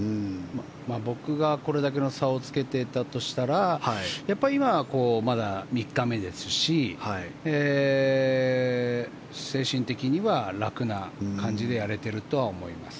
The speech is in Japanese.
僕がこれだけの差をつけていたとしたらやっぱり今、まだ３日目ですし精神的には楽な感じでやれているとは思います。